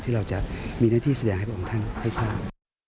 ที่เราจะมีหน้าที่แสดงให้พระองค์ท่านให้ทราบ